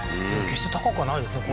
決して高くはないですね